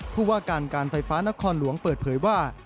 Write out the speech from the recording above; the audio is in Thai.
ผู้ว่าการการไฟฟ้านครหลวงเปิดเผยว่า